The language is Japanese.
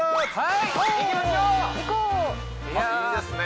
いいですね